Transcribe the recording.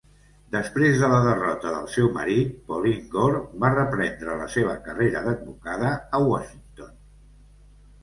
Després de la derrota del seu marit, Pauline Gore va reprendre la seva carrera d'advocada a Washington.